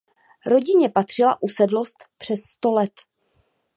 Rodině patřila usedlost přes sto let.